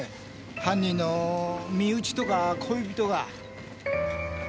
犯人の身内とか恋人が。